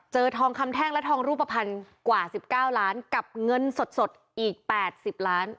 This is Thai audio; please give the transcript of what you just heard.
ทองคำแท่งและทองรูปภัณฑ์กว่า๑๙ล้านกับเงินสดอีก๘๐ล้าน